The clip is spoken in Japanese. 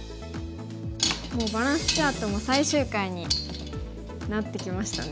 もうバランスチャートも最終回になってきましたね。